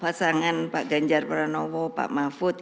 pasangan pak ganjar pranowo pak mahfud